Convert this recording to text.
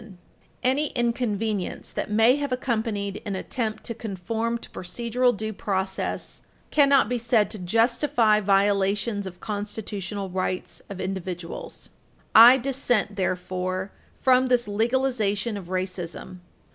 [Footnote 3/16] Any inconvenience that may have accompanied an attempt to conform to procedural due process cannot be said to justify violations of constitutional rights of individuals. I dissent, therefore, from this legalization of racism.